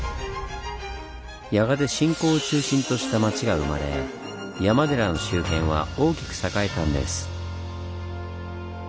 やがて信仰を中心とした町が生まれ山寺の周辺は大きく栄えたんです。